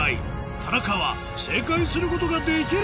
田中は正解することができるのか？